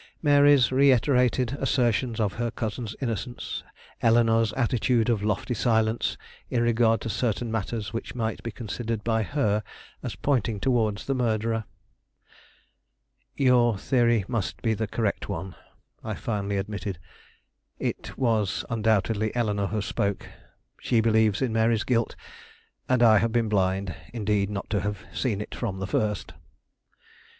Mary's reiterated assertions of her cousin's innocence, Eleanore's attitude of lofty silence in regard to certain matters which might be considered by her as pointing towards the murderer. "Your theory must be the correct one," I finally admitted; "it was undoubtedly Eleanore who spoke. She believes in Mary's guilt, and I have been blind, indeed, not to have seen it from the first."